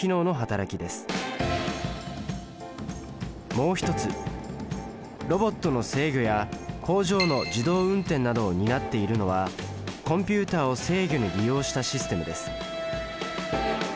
もう一つロボットの制御や工場の自動運転などを担っているのはコンピュータを制御に利用したシステムです